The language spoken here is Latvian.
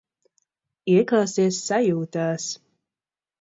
Ieklausies sajūtās.